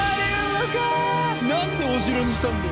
なんでお城にしたんだよ。